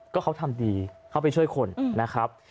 ก็เขาทำดีเขาไปช่วยคนนะครับ